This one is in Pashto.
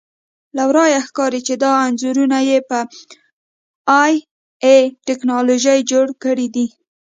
له ورایه ښکاري چې دا انځورونه یې په اې ائ ټکنالوژي جوړ کړي دي